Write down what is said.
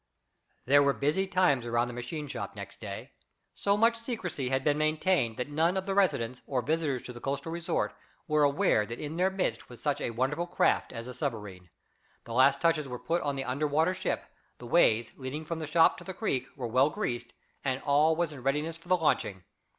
There were busy times around the machine shop next day. So much secrecy had been maintained that none of the residents, or visitors to the coast resort, were aware that in their midst was such a wonderful craft as the submarine. The last touches were put on the under water ship; the ways, leading from the shop to the creek, were well greased, and all was in readiness for the launching.